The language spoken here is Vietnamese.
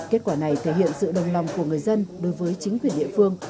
kết quả này thể hiện sự đồng lòng của người dân đối với chính quyền địa phương